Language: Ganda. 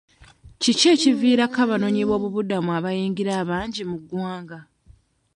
Kiki ekiviirako abanoonyiboobubudamu abayingira abangi mu ggwanga?